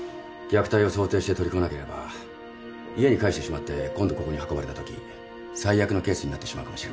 虐待を想定して取り組まなければ家に帰してしまって今度ここに運ばれたとき最悪のケースになってしまうかもしれませんから。